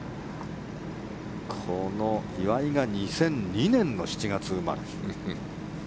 この岩井が２００２年の７月生まれ。